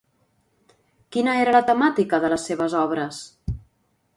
Quina era la temàtica de les seves obres?